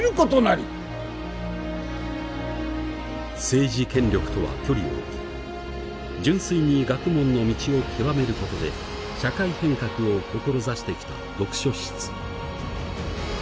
政治権力とは距離を置き純粋に学問の道を究めることで社会変革を志してきた読書室。